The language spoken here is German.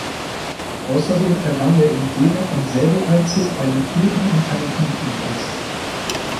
Außerdem errang er im Degen- und Säbel-Einzel einen vierten und einen fünften Platz.